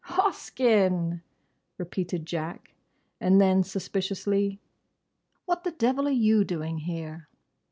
—" "Hoskyn!" repeated Jack. And then, suspiciously, "What the devil are you doing here?"